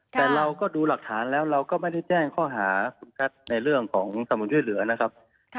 แต่เราก็ดูหลักฐานแล้วเราก็ไม่ได้แจ้งข้อหาคุณแพทย์ในเรื่องของสนุนช่วยเหลือนะครับ